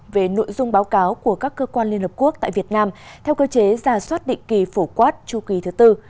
về nội dung báo cáo của các cơ quan liên hợp quốc tại việt nam theo cơ chế giả soát định kỳ phổ quát chu kỳ thứ tư